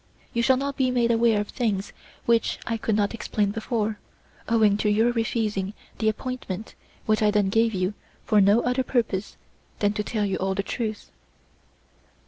You shall now be made aware of things which I could not explain before, owing to your refusing the appointment which I then gave you for no other purpose than to tell you all the truth.